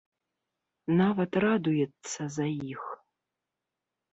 Нават радуецца за іх.